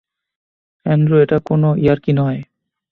Andrew, এটা কোনো ইয়ার্কি নয়।